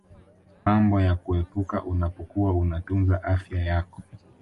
mambo ya kuepuka unapokuwa unatunza afya yako